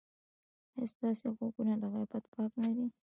ایا ستاسو غوږونه له غیبت پاک نه دي؟